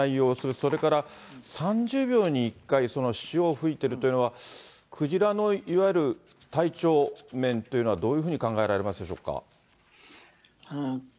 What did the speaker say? それから３０秒に１回、潮を吹いているというのは、クジラのいわゆる体調面というのは、どういうふうに考えられますでしょうか。